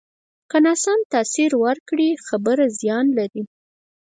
که ناسم تاثر ورکړې، خبره زیان لري